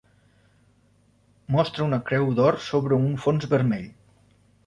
Mostra una creu d'or sobre un fons vermell.